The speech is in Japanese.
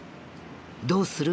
どうする？